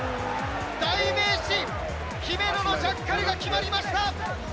代名詞、姫野のジャッカルが決まりました。